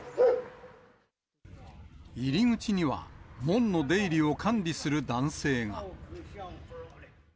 入り口には、門の出入りを管理する男性が。